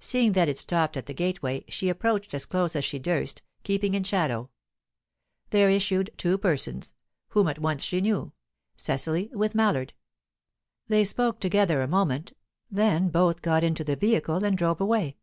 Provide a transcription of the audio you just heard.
Seeing that it stopped at the gateway, she approached as close as she durst, keeping in shadow. There issued two persons, whom at once she knew Cecily with Mallard. They spoke together a moment; then both got into the vehicle and drove away.